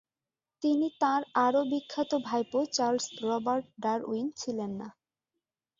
তিনি তাঁর আরও বিখ্যাত ভাইপো চার্লস রবার্ট ডারউইন ছিলেন না।